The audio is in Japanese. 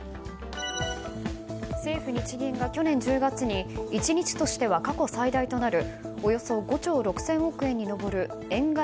政府・日銀が去年１０月に１日としては過去最大となるおよそ５兆６０００億円に上る円買い